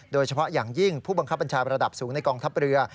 โดยเฉพาะอย่างยิ่งผู้บังคับบัญชาประดับสูงในกองทัพเรือ